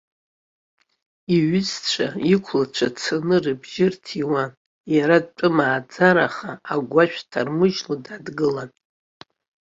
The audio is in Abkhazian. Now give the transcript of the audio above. Иҩызцәа, иқәлацәа цаны рыбжьы рҭиуан, иара дтәымааӡараха, агәашә дҭармыжьло дадгылан.